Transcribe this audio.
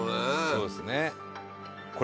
「そうですね」